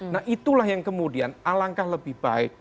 nah itulah yang kemudian alangkah lebih baik